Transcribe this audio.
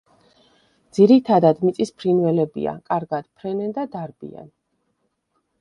ძირითადად მიწის ფრინველებია, კარგად ფრენენ და დარბიან.